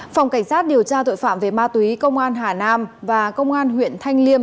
phòng cảnh sát điều tra tội phạm về ma túy công an hà nam và công an huyện thanh liêm